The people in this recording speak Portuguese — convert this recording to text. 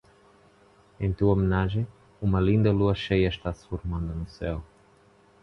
Em tua homenagem, uma linda Lua cheia está se formando no céu.